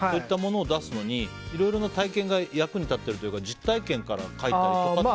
設定とかといったものを出すのにいろいろな体験が役に立ってるというか実体験から書いたりとか？